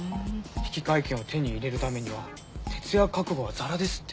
引換券を手に入れるためには徹夜覚悟はザラですって。